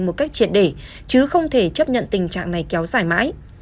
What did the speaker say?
một cách triệt để chứ không thể chấp nhận tình trạng này kéo dài mãi